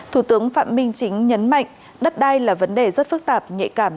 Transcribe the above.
thủ tướng phạm minh chính nhấn mạnh đất đai là vấn đề rất phức tạp nhạy cảm